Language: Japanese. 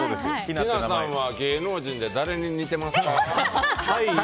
ヒナさんは芸能人で誰に似てますか？